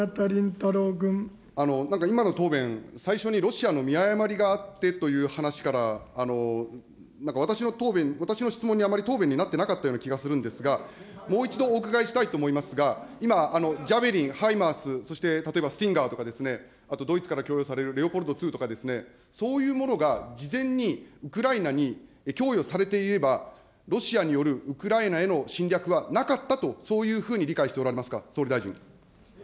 なんか今の答弁、最初のロシアの見誤りがあってという話から、なんか私の答弁、私の質問にあまり答弁になってなかったような気がするんですが、もう一度お伺いしたいと思いますが、今、ジャベリン、ハイマース、そして例えばスティンガーですとか、あとドイツから供与されるレオパルト２とか、そういうものが事前にウクライナに供与されていれば、ロシアによるウクライナへの侵略はなかったと、そういうふうに理解しておられますか。